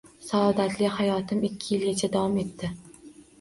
Saodatli hayotim ikki yilcha davom etdi.